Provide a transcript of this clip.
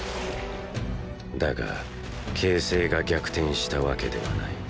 だが形勢が逆転したわけではない。